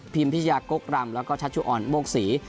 พิมพิยากกรรมแล้วก็ชัชว์อ่อนโมกศรี